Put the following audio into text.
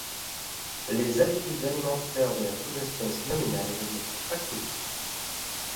Les habitudes alimentaires de la sous-espèce nominale ne sont pas connues.